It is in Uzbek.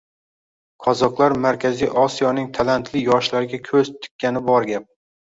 Qozoqlar Markaziy Osiyoning talantli yoshlariga koʻz tikkani bor gap.